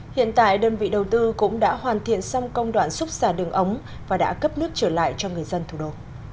hiện tại đơn vị đầu tư cũng đã hoàn thiện xong công đoạn xúc xả đường ống và đã cấp nước trở lại cho người dân thủ đô